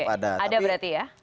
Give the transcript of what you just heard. ada berarti ya